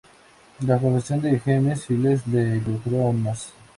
La confesión de James Files lo involucro aún más.